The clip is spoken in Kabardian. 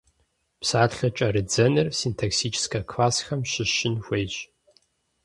Псалъэ кӏэрыдзэныр синтаксическэ классхэм щыщын хуейщ.